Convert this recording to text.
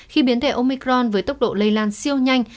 khi biến thể omicron với tốc độ lây lan siêu nhanh